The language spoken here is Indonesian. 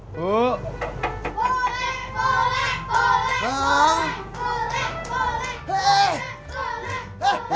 boleh boleh boleh boleh boleh boleh boleh boleh